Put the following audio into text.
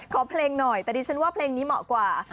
เพลงหน่อยแต่ดิฉันว่าเพลงนี้เหมาะกว่า